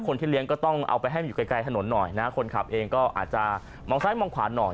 คนที่เลี้ยงก็ต้องเอาไปให้มันอยู่ไกลถนนหน่อยนะคนขับเองก็อาจจะมองซ้ายมองขวาหน่อย